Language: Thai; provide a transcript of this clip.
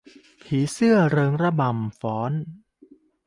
ผีเสื้อเริงระบำรำฟ้อน